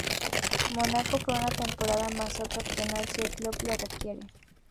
Mónaco por una temporada, más otra opcional si el club lo requiere.